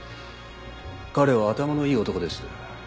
彼は頭のいい男です。